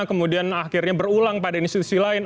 kemudian akhirnya berulang pada institusi lain